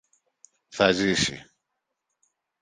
Θα ζήσει!